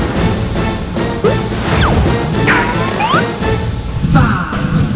แก่สา